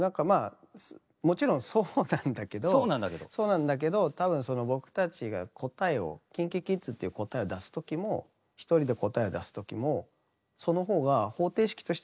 もちろんそうなんだけどそうなんだけど多分僕たちが答えをＫｉｎＫｉＫｉｄｓっていう答えを出す時も一人で答えを出す時もその方が方程式としては非常にシンプルで。